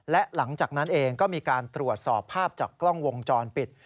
และหลังจากนั้นเองก็มีการตรวจสอบภาพจากกล้องวงจรปิด